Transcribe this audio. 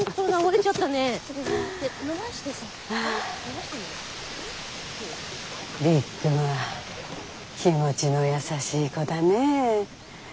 りっくんは気持ちの優しい子だねぇ。